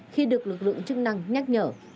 khi được lực lượng chức năng nhắc nhở